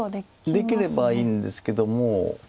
できればいいんですけども。